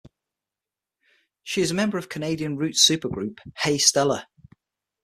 She is a member of Canadian roots super group Hey Stella!